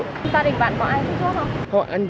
gia đình bạn có ai thuốc lá không